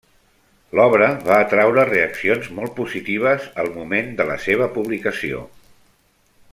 L'obra va atraure reaccions molt positives al moment de la seva publicació.